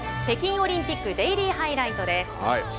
北京オリンピックデイリーハイライトです。